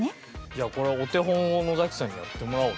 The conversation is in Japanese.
じゃあこれお手本をのざきさんにやってもらおう。